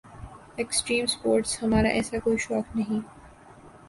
extreme sports ہمارا ایسا کوئی شوق نہیں